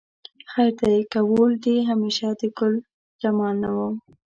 خیر دی که وړ دې همیشه د ګلجمال نه وم